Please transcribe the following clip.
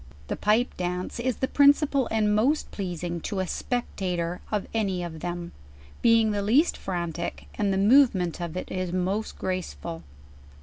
The Pipe J.ance is the principal and most pleasing to a spectator of any of them, being the least frantic, and the movement of it most gracvful.